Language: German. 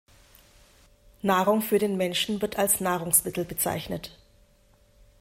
Nahrung für den Menschen wird als Nahrungsmittel bezeichnet.